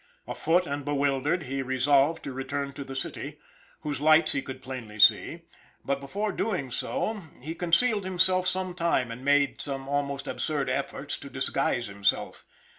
Afoot and bewildered, he resolved to return to the city, whose lights he could plainly see; but before doing so ho concealed himself some time, and made some almost absurd efforts to disguise himself.